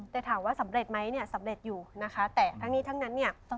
แต่ถามว่าสำเร็จไหมเนี่ยสำเร็จอยู่นะคะแต่ทั้งนี้ทั้งนั้นเนี่ย